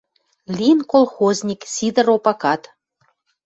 Лин колхозник Сидыр Опакат.